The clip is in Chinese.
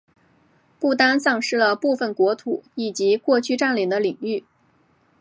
不丹丧失了部分国土以及过去占领的领域。